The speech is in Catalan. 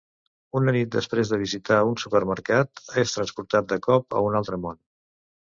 Una nit, després de visitar un supermercat, és transportat de cop a un altre món.